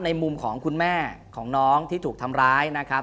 ในมุมของคุณแม่ของน้องที่ถูกทำร้ายนะครับ